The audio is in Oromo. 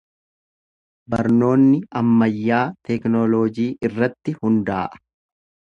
Barnoonni ammayyaa teknooloojii irratti hundaa'a.